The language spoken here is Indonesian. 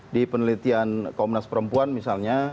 di penelitian komnas perempuan misalnya